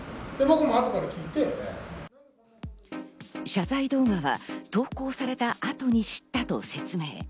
謝罪動画は投稿された後に知ったと説明。